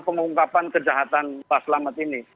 pengungkapan kejahatan mbak selamat ini